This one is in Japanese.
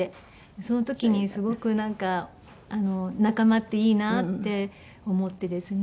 その時にすごくなんか仲間っていいなって思ってですね。